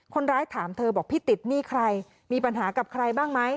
ถามเธอบอกพี่ติดหนี้ใครมีปัญหากับใครบ้างไหม